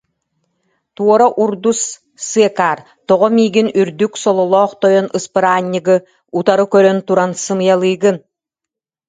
Туора урдус, сыакаар, тоҕо миигин, үрдүк сололоох тойон ыспыраанньыгы, утары көрөн туран сымыйалыыгын